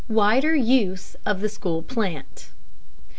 WIDER USE OF THE SCHOOL PLANT.